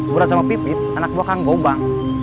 mura sama pipit anak buah kang gobang